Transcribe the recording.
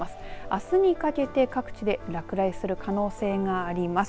あすにかけて各地で落雷する可能性があります。